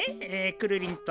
くるりんと。